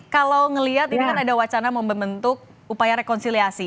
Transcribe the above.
kalau melihat ini kan ada wacana membentuk upaya rekonsiliasi